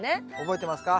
覚えてますか？